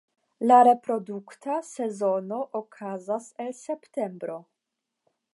La reprodukta sezono okazas el septembro.